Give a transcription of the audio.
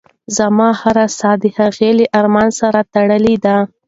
زما هره ساه د هغې له ارامۍ سره تړلې ده.